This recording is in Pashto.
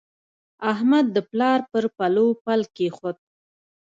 احمد د پلار پر پلو پل کېښود.